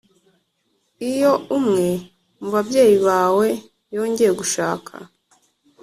Iyo umwe mu babyeyi bawe yongeye gushaka